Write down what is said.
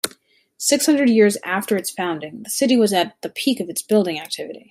Six hundred years after its founding, the city was at the peak of its building activity.